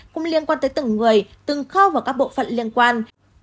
cũng liên quan tới từng người từng khâu và các bộ phận liên quan